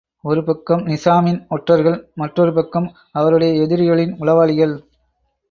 ஒரு பக்கம் நிசாமின் ஒற்றர்கள் மற்றொரு பக்கம் அவருடைய எதிரிகளின் உளவாளிகள்.